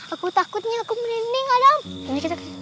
aku takutnya aku merinding adam